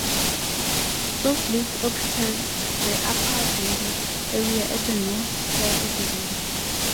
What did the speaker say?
Source Lake occupies the upper valley area at the north side of the valley.